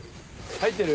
入ってる？